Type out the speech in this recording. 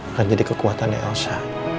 akan jadi kekuatannya elsa